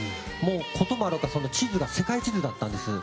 こともあろうか地図が世界地図だったんです。